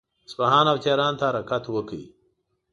اصفهان او تهران ته حرکت وکړ.